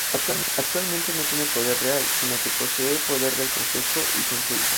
Actualmente no tiene poder real, sino que posee poder de consejo y consulta.